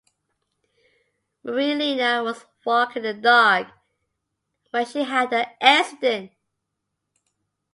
Marielena was walking the dog when she had the accident.